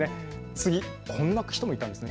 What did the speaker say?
次、こんな人もいたんです。